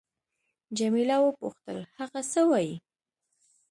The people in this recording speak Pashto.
جميله وپوښتل: هغه څه وایي؟